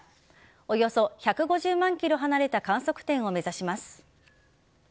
およそ１５０万キロ離れた観測点を目指します。